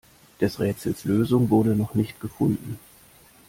Des Rätsels Lösung wurde noch nicht gefunden.